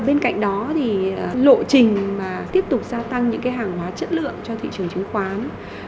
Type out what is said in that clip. bên cạnh đó lộ trình tiếp tục gia tăng những hàng hóa chất lượng cho thị trường chứng khoán